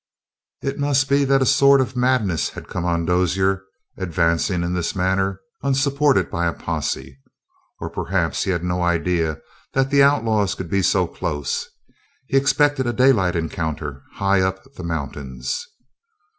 It must be that a sort of madness had come on Dozier, advancing in this manner, unsupported by a posse. Or, perhaps, he had no idea that the outlaws could be so close. He expected a daylight encounter high up the mountains.